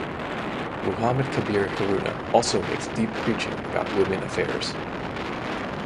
Muhammad Kabir Haruna also makes deep preaching about women affairs.